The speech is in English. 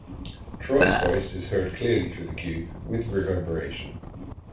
Troy's voice is heard clearly through the cube with reverberation.